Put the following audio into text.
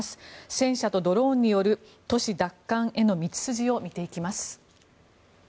戦車とドローンによる都市奪還への道筋を見ていきます。